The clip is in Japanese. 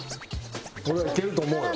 俺はいけると思うよ。